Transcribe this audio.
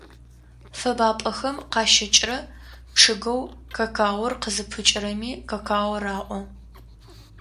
Фэбапӏэхэм къащыкӏрэ чъыгэу какаор къызыпыкӏэрэми какао раӏо.